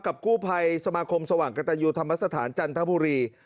กู้ภัยสมาคมสว่างกระตันยูธรรมสถานจันทบุรี